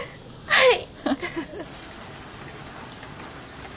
はい。